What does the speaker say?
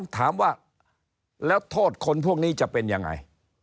ถามว่าแล้วโทษคนพวกนี้จะเป็นยังไง